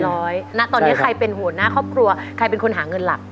ณตอนนี้ใครเป็นหัวหน้าครอบครัวใครเป็นคนหาเงินหลัก